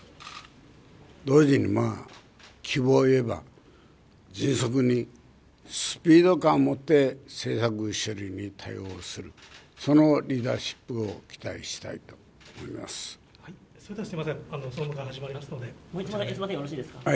同時に希望を言えば迅速にスピード感を持って政策処理に対応する、そのリーダーシップを期待したいと思います。